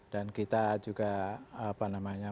dan kita juga apa namanya